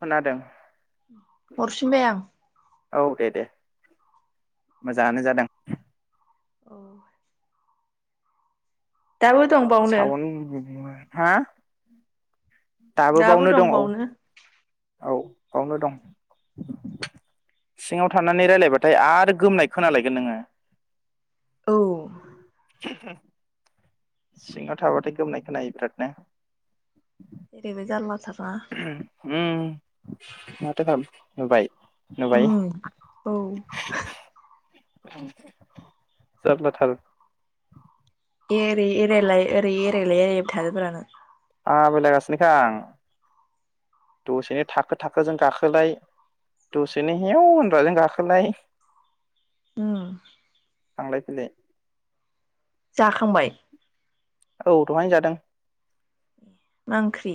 खोनादों [inaudible] हरफिनबाय आं औ दे दे मोजाङानो जादों औ दंबावनो सावन [unintelligible] हा? दाबो बावनो दं औ औ बावनो दं सिङाव थानानै रायरालायबाथाय आरो गोमनाय खोनालायगोन नोङो औ [inaudible] सिङाव थाबाथाय गोमनाय खोनायो बिरादनो ओरैबो जारलाथार ना उम [unintelligible] उ औ [inaudible] जाबनाथाल ओरै एरायलाय ओरै एरायलाय एरायबाय थादोब्रा नों थाबलायगासिनोखा आं दसेनो थाखो थाखोजों गाखोलाय दसेनो हेव होनग्राजों गाखोलाय उम थांलाय फैलाय जाखांबाय? औ दहायनो जादों। मा ओंख्रि?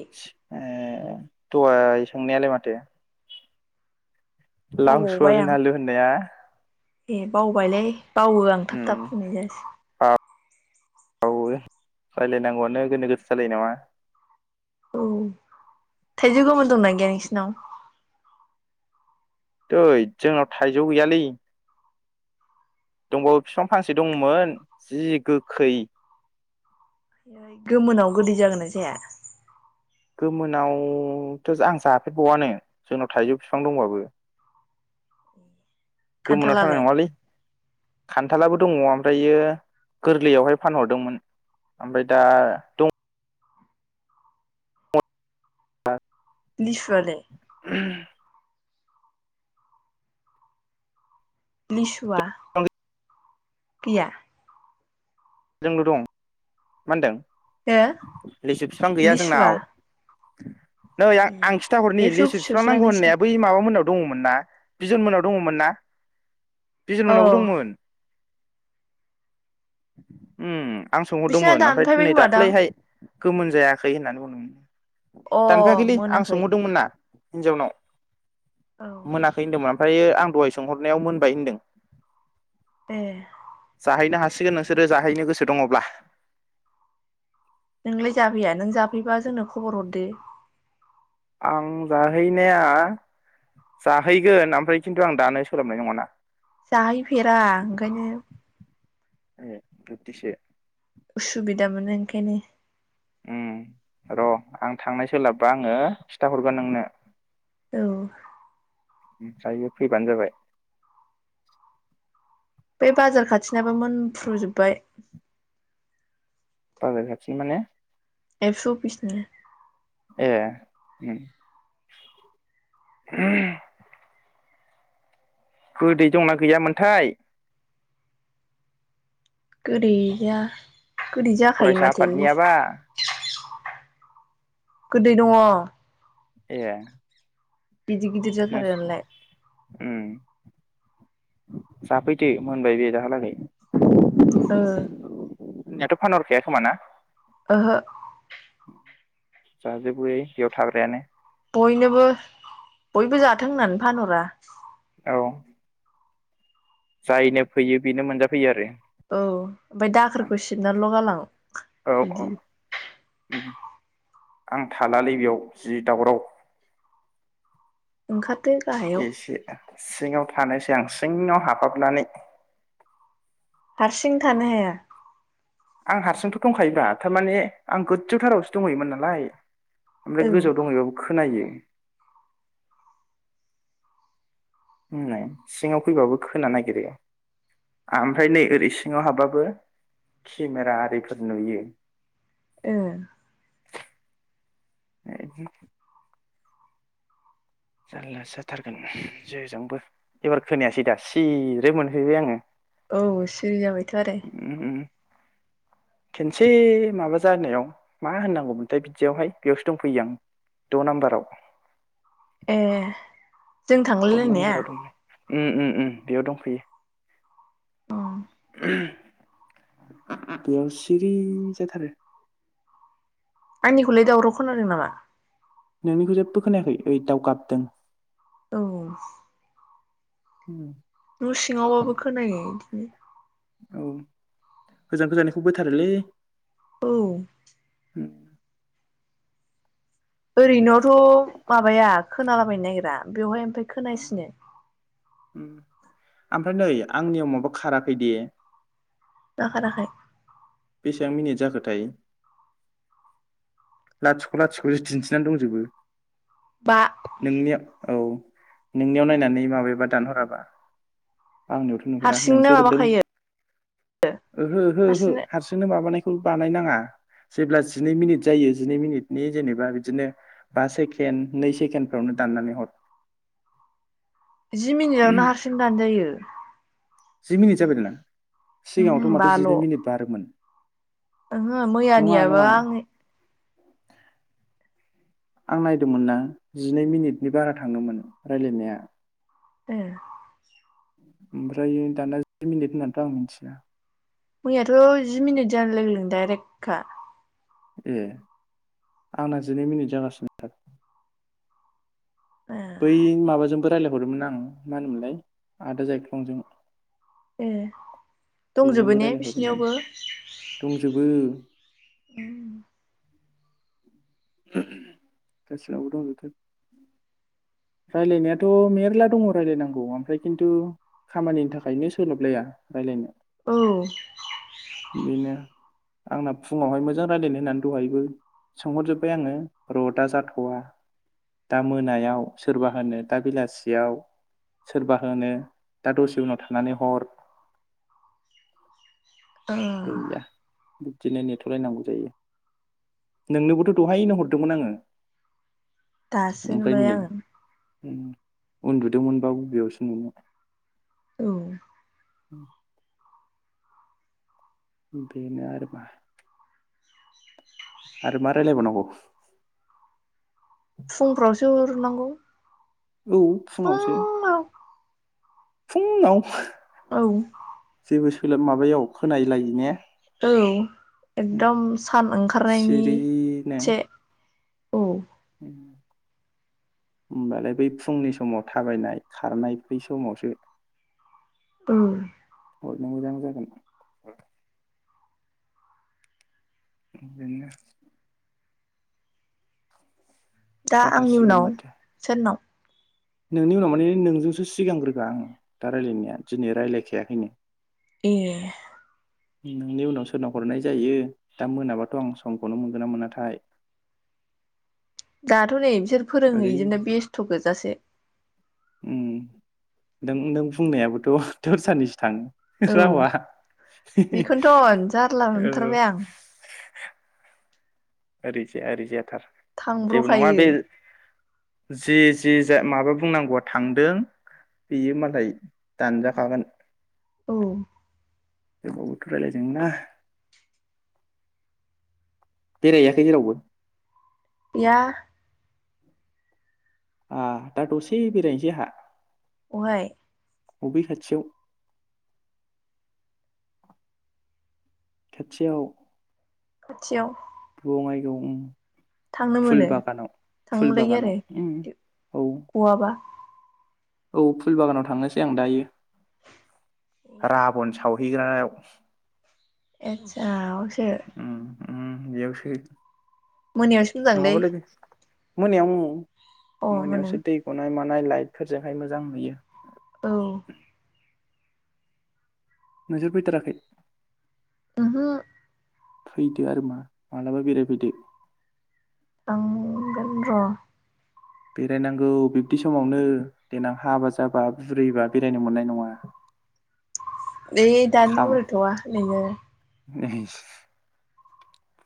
ए दहाय संनायालाय माथो लाव बावबावबाय सुवाबिन आं आलु होननाया ए बाव बायलै बावो आं थाब उम थाब बुंनाय जायासै बावो रायलायनांगौआनो गोनो गोथो सालायो नामा?? औ थाइजौ गोमोन दंना गैया नोंसिनाव? दैै जोंनाव थाइजौ गैयालै दंबावो बिफां फांसे दंमोन जि गोखै। गोमोनाव गोदै जागोनना जाया? मोननावथ' आं जाफेरबावआनो जोंनाव थाइजौ बिफां दंबाबो। गोमोनाव थालनाय खान्थालालाय नङालै। खान्थालाबो दङ ओमफ्रायो गोरलैयावहाय फानहरदोंमोन ओमफ्राय दा दं। लिसुआलाय? [unintelligible] लिसुवा? गैया। जोंल' दं मा होनदों? हो लिसु बिफां गैया लिसुआ जोंनाव। [unintelligible] नै आं ए आं खिथा हरनि एबसु लिसु फिसौसो सिफांनांगौ लायनांसिगोन होननाया बै माबा मोनाव दङमोन ना बिजन मोनाव दङमोन ना बिजन मोननावबो औ दंमोन। ओम। आं बिसिना सोंहरदोंमोन ओमफ्राय दानफायबाय दिनै खोमादां दाख्लैहाय गोमोन जायाखै होननानै बुंदों। अ दानफाययाखैलै आं मोनाखै सोंहरदोंमोन ना। हिन्जावनाव मोनाखै होनदोंमोन। ओमफफ्रायो आं दहाय सोंहरनायाव मोनबाय होनदों। दे हायनो हासिगोनों बिसोरो जाहैनो गोसो दङब्ला नोंलाय जाफैया नों जाफैबा जोंनो खबर हरदो। आं जाहैनाया जाहैगोन ओमफ्राय खिन्थु आं दानो सोलानाय नङाना जाहैफेरा ओंखायनो बिदिसो उसुबिदा मोनो ओंखायनो ओम र' आं थांनाय सोलाबबा आङो खिन्थााहरगोन नोंनो औ ओमफ्रायो फैबानो जाबाय बे बाजार खाथिनाबो मोनफ्रुजोबबाय बाजार खाथि माने एफस' अफिसनि। ए गोदै दंना गैयामोनथाय। गैदैया फरायसा आफादनियाबा गोदै दङ। ए गिदिर गिदिर नों जाथारोआनोलाय। जाफैदो मोनबाय‌ बे दाहलागै। ओ नियाथ' फानहरखाया खोमान ना? ओहो जाजोबो बे बेयाव थाग्रायानो बयनोबो बयबो जाथों होननानै फानहरा। औ जायनो फैयो बेनो मोनजाफैयो आरो। औ ओमफाय दाखोरखौ सिबनानैल' गालां औ औ [inaudible] आं थालालै बेयाव जि दावराव ओंखारदो गाहायाव एसे सिङाव थानोसै आं सिङाव हाबफाबनानै। हारसिं थानो हाया? आं हारसिंथ' दंखायोबा थारमाने आं गोजौथारावसो दंहैयोमोन नालाय। औ ओमफ्राय ओ गोजौआव दंहैबाबो खोनायो। होननाय सिङाव फैबाबो खोनानो नागिरो। ओमफ्राय नै ओरै सिङाव हाबबाबो केमेरा आरिफोर नुयो। ओ [inaudible] ए जानलासो जाथारगोन जेजोंबो एबार खोनायासै दा सिरो मोनफैबाय आङो। औ सिरि जाबायथ' आरो। उम खेनसे माबा जानायाव मा होननांगौमोनथाय बिदियावहाय बेयावसो दंफैयो आं द' नाम्बाराव। ए जों थांलाय द' लायनाया। नाम्बाराव दं उम उम उम बेयाव दंफैयो। अ [inaudible] बेयाव सिरि जाथारो। आंनिखौलाय दावराव खोनादों नामा? नोंनिखौ जेबो खोनायाखै ओइ दावगाबदों। औ उम, न' सिङावबाबो खोनायो। [unintelligible] औ गोजान गोजानखौ बोथारोलै। औ [inaudible] ओरैनोआवथ' माबाया खोनालाबायनो नागगिरा बेवहाय ओमफाय खोनासिनो उम ओमफ्राय नै आंनियाव माबा खाराखैदे मा खाराखै बेसेबां मिनिट जाखोथाय लाथिख' लाथिख'सो दिन्थिनानै दंजोबो बा नोंनिया औ नोंनियाव नायनानै माबायाबा दानहराबा आंनियावथ' नुहुरा हारसिंनो नोंसो हरदों माबाखायो ओहो ओहो ओहो हारसिंनो माबानाय बानायनाङा जेब्ला जिनै मिनिट जायो। जिनै मिनिटनि जेनेबा बिदिनो बा सेकेणड नै सेकेणडफ्रावनो दाननानै हर जि मिनिटावनो हारसिं दानो जायो। जि मिनिट जाबाय दाना ओमहो सिगाङावथ' माथो बाल' जिनै मिनिट बारोमोन। ओहो नङा मैयानियाबो नङा आं आं नायदोंमोन ना जिनै मिनिटनि बारा थाङोमोन रायलायनाया एह ओमफ्राय दाना जि मिनिट होननानैथ' आं मिथिया मैयाथ' जि मिनिट जानो लोगो लोगो डाइरेक्टखा ए आंना जिनै मिनिट जागासिनो सार ए बै माबाजों बो रायलायहरदोंमोन आं मा होनोमोनलाय आदा जायख्लंजों ए दंजोबो बेजोंबो ने रायलायहरदोंमोन बिसिनियावबो दंजोबो गासिबावबो दंजोबथारो रायलायनायाथ' मेरला दङ रायजलायनांगौ ओमफ्राय खिन्थु खामानिनि थाखायनो सोलोबलाया रायलायनो औ ओ बिनो आंना फुङावहाय मोजां राय्लायनो होननानै दहायबो सोंहरजोब्बाय आङो रडआ जाथवा दा मोनायाव। सोरबा होनो दा बेलासियाव सोरबा होनो दा दसे उनाव थानानै हर। ओं गैया बिदिनो नेथ लायनांगौ जायो नोंनोबोथ दहायनो हरदोंमोन आङो दासो नुबाय आङो। ओ उन्दुदोंमोनबा बबेयावसो नुनो। औ उं। बेनो आरोबा। आरो मारायलाय बाव नांगौ। फुंफ्रावसो उरुनांगौ। औ फुङावसो। फुंङाव। औ। [unintelligible] सोल माबायाव खोनाय लायो ने? औ एकदम सान सिरिनो ओंखारनायनिसे। औ। होमबालाय बै फुंनि समाव थाबायनाय खारनाय बै समावसो। औ। हरनो मोजां जागोन। [unintelligible] दा आंनि जाथारसिगोन उनाव माथो सोरनाव? नोंनि उनाव माने नोंजोंसो सिगांग्रोखा आं दा रायलायनाया दिनै रायलायखायाखैनो। ए। नोंनि उनाव सोरनाव हरनाय जायो दा मोनाबाथ' आं समखौनो मोनगोन ना मोनाथाय। दाथ नै बिसोर ओरै फोरोंहैजोंनो बेस्थ गोजासो। ओं नों नों बुंनायाबोथ दरसानिसो थाङो। औ रावा बेखौनोथ जारला औ मोनथारबाय आं। ओरैजाया ओरैजाया। जेबो नङा थांब्र'खायो बे। जे-जे- जा माबा बुंनांगौआ थांदों बेयो मालाय दानजाखागोन। औ। होमबा बोथ रायलाय दोंना। बेरायहौयाखै जेरावबो? [unintelligible] आ दा दसे बेरायनोसै आहा। अहाय? अबै खाथियाव। खाथियाव। खाथियाव। द मायग [unintelligible] थांनो मोनो थांमोनलायो बागानाव आरो उम औ गवाबा? औ फुल बागानाव थांनोसै आं दायो। राबन साव हैैग्रायाव। [unintelligible] ए उम उम बेयावसो। मोनायावसो मोजांलै। नङाबालाय मोनायाव उम। अ मोनायाव मोनायावसो दै गनाय मा लाइटफोरजोंहाय मोजां नुयो। औ ओजो फैथाराखै। ओहो फैदो आरो मा मालाबा बेरायफैदो। थांगोन र' बेरायनांगौ बिब्दि समावनो देनां हाबा जाबा बुरिबा बेरायनो मोननाय नङा। इ दानो बुरथ'वा नोङो [unintelligible]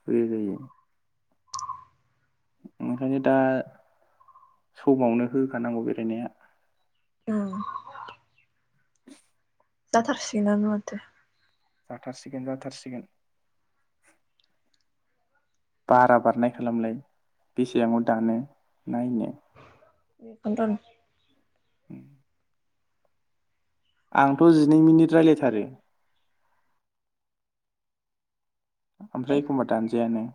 फुरि जायो ओंखायनो दा समावनो होखानांगौ बेरायनाया औ जाथारसिगोनानो माथो‌ जाथारसिगोन जाथारसिगोन। बारा बारनाय खालामलाय बेसे रांव दानो नायनो बेखोनथन उ [unintelligible] आंथ' जिनै मिनिट रायज्लायथारो ओमफ्राय एखम्बा दानजायानो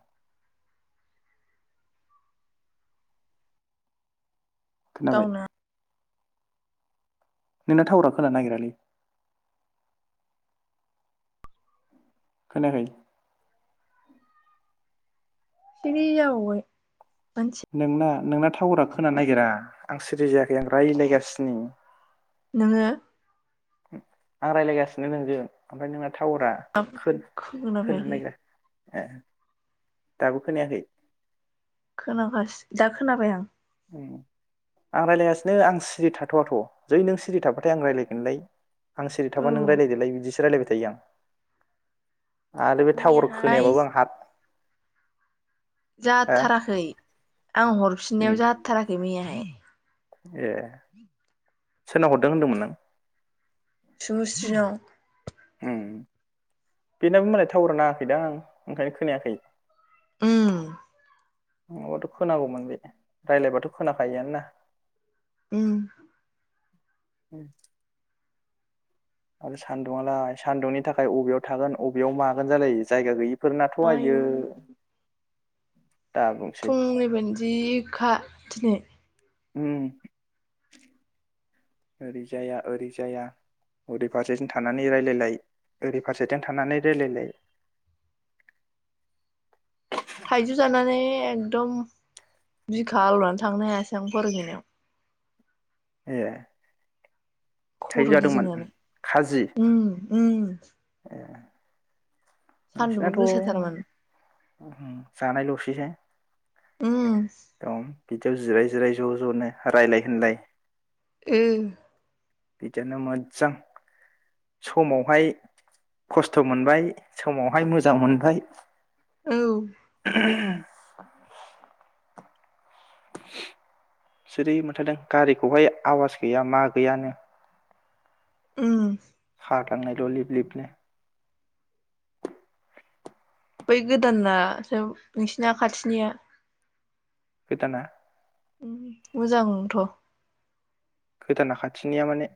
खोनाबाय। गावनो नोंना थावारा खोनानो नागिरालै खोनायाखै थनै जाबय [unintelligible] नोंना नोंना टावउरा खोनानो नागिरा आं सिरि जायाखै आं रायज्लायगासिनो। नोङो आं रायज्लायगासिनो नोंजों ओमफ्राय नोंना टावरा हाब होनो [unintelligible] खोनाफैयाखै नायगा ए दाबो खोनायाखै? खोनागासि दा खोनाबाय आं। आं रायज्लायगासिनो आं सिरि थाथ'वाथ' जै नों सिरि थाबाथाय आं रायज्लायगोनलाय आं सिरि औ थाबा नों रायज्लायदोलाय बिदिस रायलाय दैया आरो बे टावार मैयाहाय खोनायाबाबो आं हा जाथाराखै आं उम हरफिननायाव जाथाराखै मैयाहाय ए सोरनाव हरदों होनदोंमोन नों सुबुंस्रि नाव उम बेनाबो मालाय थावार नाङाखैदां आं ओंखायनो खोनायाखै उम नङाबाथ' खोनांगौमोन बे रायलायबाथ' खोनाखायोय ना उम उम आरो सान्दुङालाय सान्दुंनि थाखाय अबेयाव थागोन अबेयाव मागोन जालाय जायगा गैयि। फोरनाथ' आयौ आइयो। दाबुंसै फुंनिबायनो जिखा। दिनै- उम ओरै जाया ओरै जाया ओरै फारसेथिं थानानै रायलायलाय ओरै फारसेथिं थानानै रायलायलाय। थाइजौ जानानै एकदम बिखा आलौनानै थांनो हायासै आं, फरायहैनायाव। ए थाइ खर' जादोंमोन गिदिंनानै खाजि उम उम। ए सान्दुंबो गोसा थारमोन। उम जानाय ल सैसो। उम औ। बिदियाव जिराय जिराय ज' ज'नो रायलाय होनलाय। ओ। बिदिनो मोजां समावहाय खस्थ' मोनबाय। समावहाय मोजां मोनबाय। औ। [inaudible] जेरै मोनथारदों गारिखौहाय आवाज गैया मा गैयानो। उम। थांनायल' लिप लिप नो। बै गोदाना सोब नोंसिना खाथिनिया। गोदाना। उम मोजांथ'। गोदाना खाथिनिया माने